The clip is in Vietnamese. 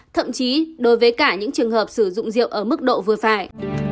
thậm chí đối với cả những trường hợp sử dụng rượu ở mức độ vừa phải